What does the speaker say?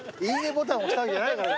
ボタン押したわけじゃないから。